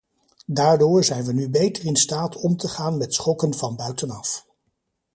Daardoor zijn we nu beter in staat om te gaan met schokken van buitenaf.